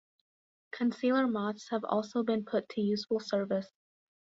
Concealer moths have also been put to useful service.